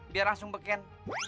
biar langsung beken